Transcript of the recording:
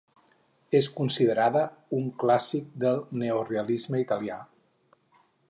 És considerada un clàssic del neorealisme italià.